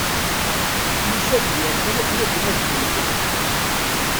Nusa-d yakan akken ad naǧew lqut.